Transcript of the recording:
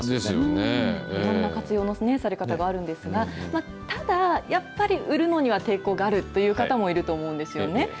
いろんな活用のされ方があるんですが、ただ、やっぱり売るのには抵抗があるという方もいると思うんですよね。